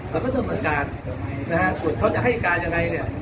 ก็ต้องสั่งการนะฮะส่วนเขาจะให้การยังไงเนี่ย